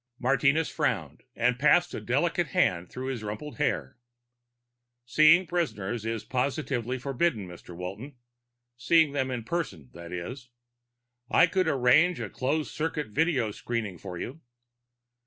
Martinez frowned and passed a delicate hand through his rumpled hair. "Seeing prisoners is positively forbidden, Mr. Walton. Seeing them in person, that is. I could arrange a closed circuit video screening for you."